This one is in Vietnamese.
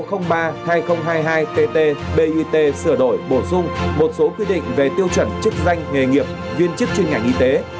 tt bit sửa đổi bổ sung một số quy định về tiêu chuẩn chức danh nghề nghiệp viên chức chuyên ngành y tế